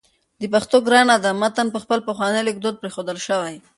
د پښتو ګرانه ده متن په خپل پخواني لیکدود پرېښودل شوی